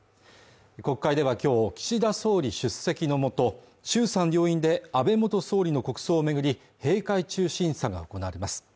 国会ではきょう岸田総理出席のもと衆参両院で安倍元総理の国葬をめぐり閉会中審査が行われます